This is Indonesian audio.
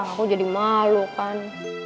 aku jadi malu kan